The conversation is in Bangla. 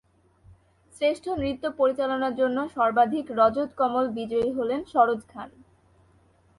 শ্রেষ্ঠ নৃত্য পরিচালনার জন্য সর্বাধিক রজত কমল বিজয়ী হলেন সরোজ খান।